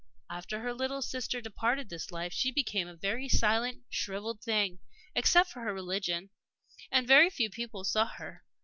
"After her little sister departed this life she became a very silent, shrivelled thing except for her religion and very few people saw her.